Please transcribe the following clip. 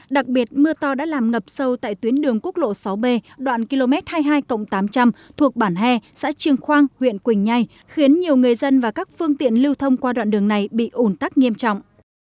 đặc biệt mưa to đã làm ngập sâu tại tuyến đường quốc lộ sáu b đoạn km hai mươi hai tám trăm linh thuộc bản hè xã trường khoang huyện quỳnh nhai khiến nhiều người dân và các phương tiện lưu thông qua đoạn đường này bị ủn tắc nghiêm trọng